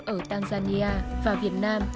ở tanzania và việt nam